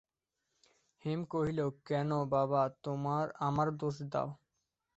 হেম কহিল, কেন বাবা আমার দোষ দাও?